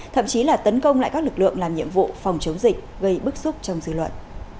thậm chí là tấn công lại các lực lượng làm nhiệm vụ phòng chống dịch gây bức xúc trong dư luận